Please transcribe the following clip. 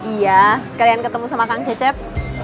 iya sekalian ketemu sama kang cecep